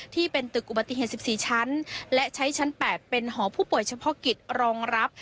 ที่เป็นตึกอุบัติเหตุ๑๔ชั้นและใช้ชั้น๘เป็นหอผู้ป่วยเฉพาะกิจรองรับ